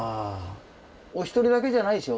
お一人だけじゃないでしょ？